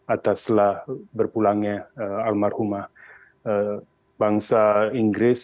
ataslah berpulangnya almarhumah bangsa inggris